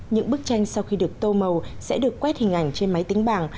những bức tranh sau khi được tô màu sẽ được quét hình ảnh trên máy tính bảng